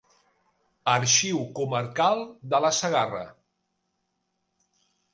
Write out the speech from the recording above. Arxiu Comarcal de la Segarra.